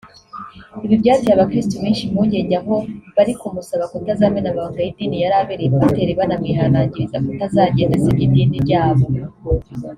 Ibi byateye abakirisitu benshi impungenge aho barikumusaba kutazamena amabanga y’idini yarabereye pasiteri banamwihanangiriza kutazagenda asebya idini ryabo